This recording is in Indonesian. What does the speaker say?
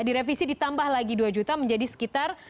direvisi ditambah lagi dua juta menjadi sekitar